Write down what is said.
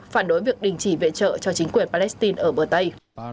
phản đối việc đình chỉ viện trợ cho chính quyền palestine ở bờ tây